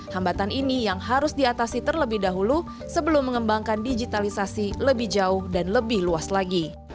hambatan ini yang harus diatasi terlebih dahulu sebelum mengembangkan digitalisasi lebih jauh dan lebih luas lagi